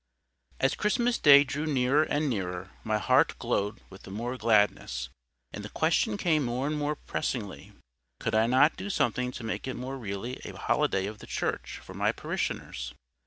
As Christmas Day drew nearer and nearer, my heart glowed with the more gladness; and the question came more and more pressingly—Could I not do something to make it more really a holiday of the Church for my parishioners?